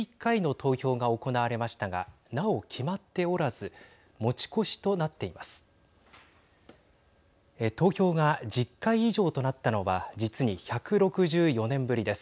投票が１０回以上となったのは実に１６４年ぶりです。